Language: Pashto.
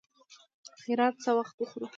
خيرات څه وخت خورو.